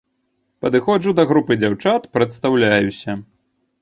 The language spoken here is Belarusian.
Падыходжу да групы дзяўчат, прадстаўляюся.